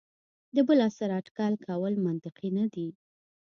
د بل عصر اټکل کول منطقي نه دي.